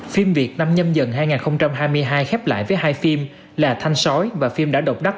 phim việt nam nhâm dần hai nghìn hai mươi hai khép lại với hai phim là thanh sói và phim đã độc đắc